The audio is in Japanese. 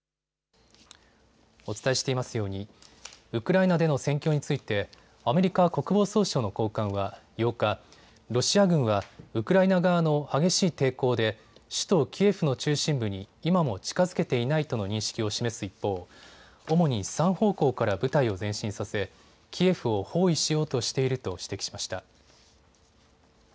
お伝えしていますようにウクライナでの戦況についてアメリカ国防総省の高官は８日、ロシア軍はウクライナ側の激しい抵抗で首都キエフの中心部に今も近づけていないとの認識を示す一方、主に３方向から部隊を前進させキエフを包囲しようとしていると指摘しました。